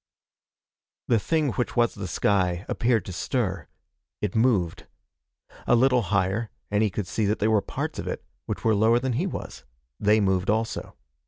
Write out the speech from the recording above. The thing which was the sky appeared to stir. It moved. A little higher, and he could see that there were parts of it which were lower than he was. They moved also.